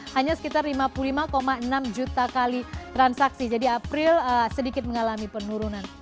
hanya sekitar lima puluh lima enam juta kali transaksi jadi april sedikit mengalami penurunan